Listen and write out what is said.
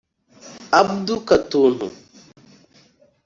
Abdu Katuntu